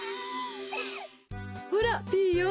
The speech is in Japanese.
ほらピーヨン